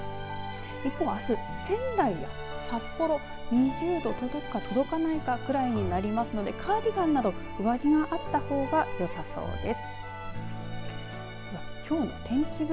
一方あす、仙台、札幌２０度に届くか届かないかぐらいになりますのでカーディガンなど、上着があった方がよさそうです。